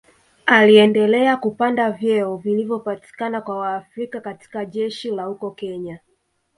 Aliendelea kupanda vyeo vilivyopatikana kwa Waafrika katika jeshi la huko Kenya